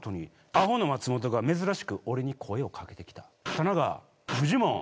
「田中フジモン